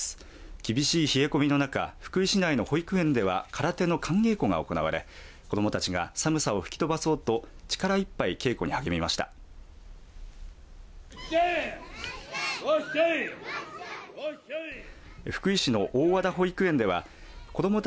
厳しい冷え込みの中福井市内の保育園では空手の寒稽古が行われ子どもたちが寒さを吹き飛ばそうと力いっぱい、稽古に励みました。